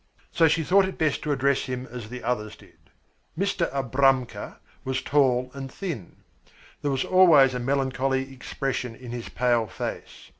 So she thought it best to address him as the others did. Mr. "Abramka" was tall and thin. There was always a melancholy expression in his pale face.